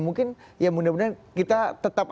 mungkin ya mudah mudahan kita tetap